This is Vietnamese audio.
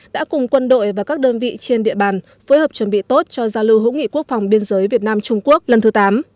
đã cùng quân đội và các đơn vị trên địa bàn phối hợp chuẩn bị tốt cho giao lưu hữu nghị quốc phòng biên giới việt nam trung quốc lần thứ tám